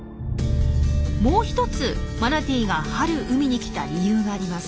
もうひとつマナティーが春海に来た理由があります。